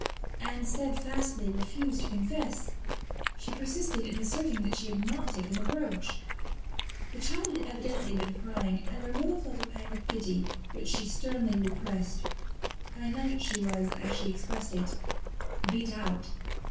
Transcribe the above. Anne steadfastly refused to confess. She persisted in asserting that she had not taken the brooch. The child had evidently been crying and Marilla felt a pang of pity which she sternly repressed. By night she was, as she expressed it, "beat out."